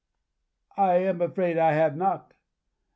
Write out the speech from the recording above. "I am afraid I have not.